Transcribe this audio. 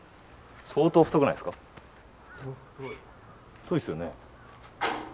太いですよね。